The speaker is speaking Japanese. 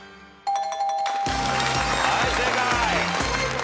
はい正解！